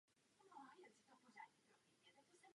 Jeho správním centrem bylo město Sopron.